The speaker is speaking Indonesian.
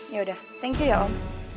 ya udah thank you ya om